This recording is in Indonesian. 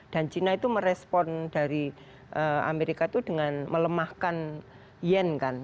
dan china itu merespon dari amerika itu dengan melemahkan yen kan